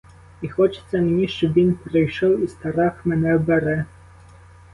І хочеться мені, щоб він прийшов, і страх мене бере.